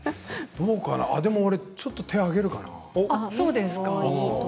どうかな、でもちょっと手を上げるかな？